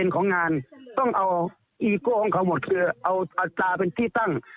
๑๐๐ของงานต้องเอาตาเป็นที่ตั้ง